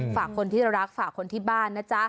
ฝากคนที่รักฝากคนที่บ้านนะจ๊ะ